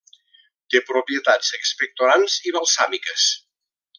Té propietats expectorants i balsàmiques.